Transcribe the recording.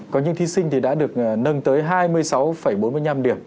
có những thí sinh thì đã được nâng tới hai mươi sáu bốn mươi năm điểm